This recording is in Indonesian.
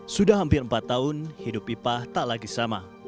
sudah hampir empat tahun hidup pipa tak lagi sama